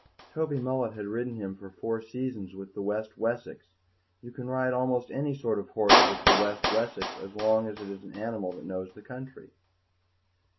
Toby Mullet had ridden him for four seasons with the West Wessex; you can ride almost any sort of horse with the West Wessex as long as it is an animal that knows the country.